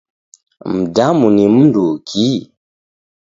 Mdamu ni mnduki?